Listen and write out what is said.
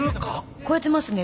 超えてますね。